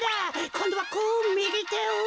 こんどはこうみぎてを。